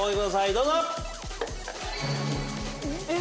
どうぞ・えっ？